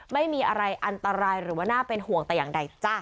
ไม่มีอะไรอันตรายหรือว่าน่าเป็นห่วงแต่อย่างใดจ้ะ